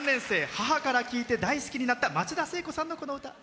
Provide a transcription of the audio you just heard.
母から聴いて大好きになった松田聖子さんの、この歌。